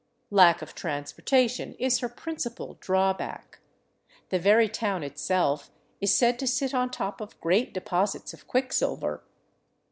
Lack of transportation is her principal drawback. The very town itself is said to sit on top of great deposits of quicksilver.